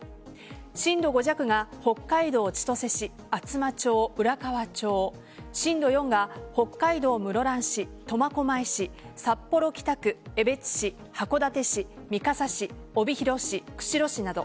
震度５弱が北海道千歳市、厚真町、浦河町震度４が北海道室蘭市、苫小牧市札幌北区、江別市函館市、三笠市帯広市、釧路市など。